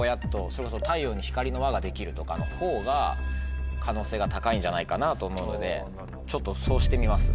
それこそ太陽に光の輪ができるとかのほうが可能性が高いんじゃないかなと思うのでちょっとそうしてみます。